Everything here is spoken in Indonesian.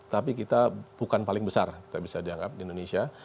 tapi kita bukan paling besar kita bisa dianggap di indonesia